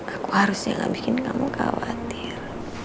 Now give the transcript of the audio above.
aku harusnya lah bikin kamu khawatir